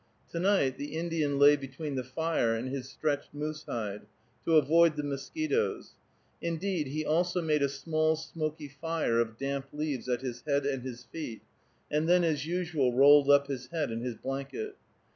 To night the Indian lay between the fire and his stretched moose hide, to avoid the mosquitoes. Indeed, he also made a small smoky fire of damp leaves at his head and his feet, and then as usual rolled up his head in his blanket.